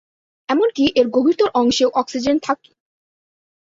এমন কী এর গভীরতর অংশেও অক্সিজেন থাকে।